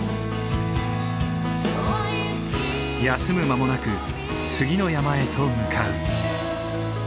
休む間もなく次の山へと向かう。